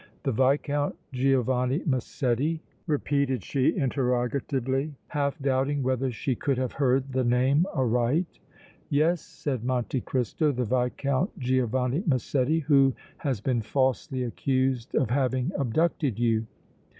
"The Viscount Giovanni Massetti?" repeated she, interrogatively, half doubting whether she could have heard the name aright. "Yes," said Monte Cristo, "the Viscount Giovanni Massetti, who has been falsely accused of having abducted you!"